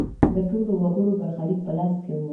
د ټولو وګړو برخلیک په لاس کې و.